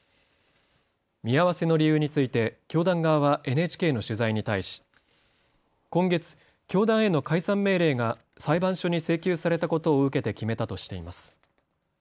見合わせの理由について教団側はＮＨＫの取材に対し今月、教団への解散命令が裁判所に請求されたことを受けて決めたとしています。